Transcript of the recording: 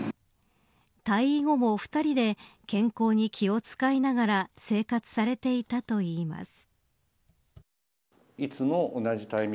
退位後も２人で健康に気を使いながら生活されていたといいます。